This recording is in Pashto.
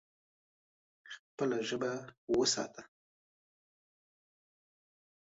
خپله ژبه وساته.